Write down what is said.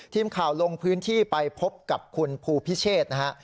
ทีมข่าวลงพื้นที่ไปพบกับคุณภูพิเชษนะฮะ